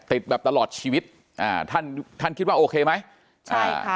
แบบตลอดชีวิตอ่าท่านท่านคิดว่าโอเคไหมอ่า